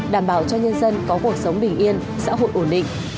đảm bảo cho nhân dân có cuộc sống bình yên xã hội ổn định